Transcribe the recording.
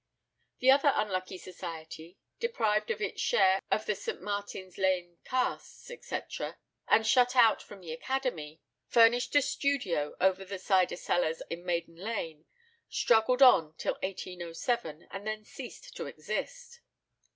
The other unlucky society, deprived of its share of the St. Martin's Lane casts, etc., and shut out from the Academy, furnished a studio over the Cyder Cellars in Maiden Lane, struggled on till 1807, and then ceased to exist.